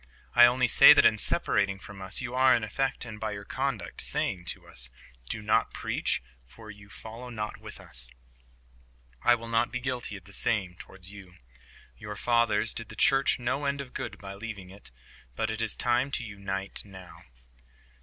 I only say that in separating from us you are in effect, and by your conduct, saying to us, "Do not preach, for you follow not with us." I will not be guilty of the same towards you. Your fathers did the Church no end of good by leaving it. But it is time to unite now."